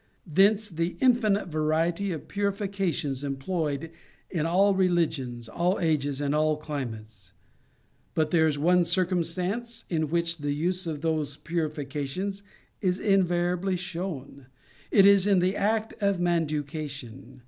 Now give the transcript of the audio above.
Thence the infinite variety of purifications employed in all religions, all ages, and all climates. But there is one cir cumstance in which the use of those purifica tions is invariably shown; it is in the act of manducation.